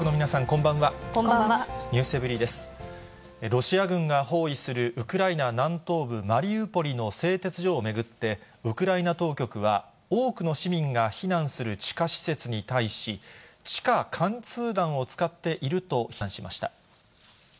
ロシア軍が包囲するウクライナ南東部マリウポリの製鉄所を巡って、ウクライナ当局は、多くの市民が避難する地下施設に対し、地下貫通弾を遣っていると非難しました。